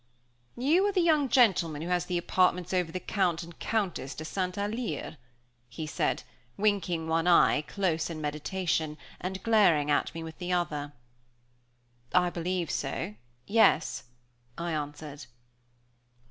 "You are the young gentleman who has the apartments over the Count and Countess de St. Alyre?" he said, winking one eye, close in meditation, and glaring at me with the other. "I believe so yes," I answered.